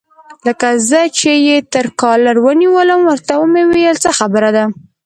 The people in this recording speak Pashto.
لکه زه چې یې تر کالر ونیولم، ورته مې وویل: څه خبره ده؟